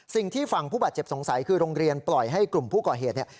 สิ่งที่ฝั่งผู้บาดเจ็บสงสัยคือโรงเรียนปล่อยให้กลุ่มผู้ก่อเหตุเนี่ย